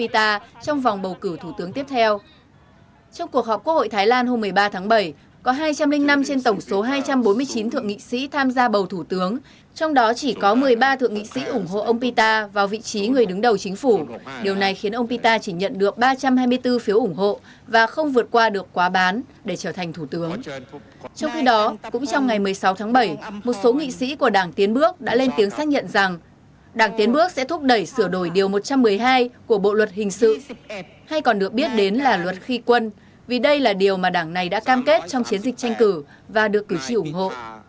trong khi đó cũng trong ngày một mươi sáu tháng bảy một số nghị sĩ của đảng tiến bước đã lên tiếng xác nhận rằng đảng tiến bước sẽ thúc đẩy sửa đổi điều một trăm một mươi hai của bộ luật hình sự hay còn được biết đến là luật khi quân vì đây là điều mà đảng này đã cam kết trong chiến dịch tranh cử và được cử trị ủng hộ